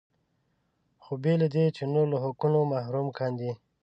خو بې له دې چې نور له حقونو محروم کاندي.